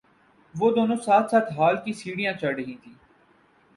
وہ دونوں ساتھ ساتھ ہال کی سٹر ھیاں چڑھ رہی تھیں